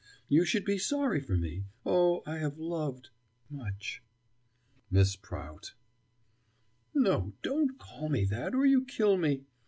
You should be sorry for me. Oh, I have loved much." "Miss Prout " "No, don't call me that, or you kill me.